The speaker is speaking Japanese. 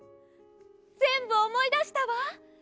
ぜんぶおもいだしたわ。